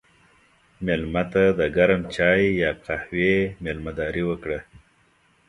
مېلمه ته د ګرم چای یا قهوې میلمهداري وکړه.